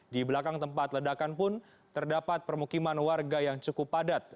di belakang tempat ledakan pun terdapat permukiman warga yang cukup padat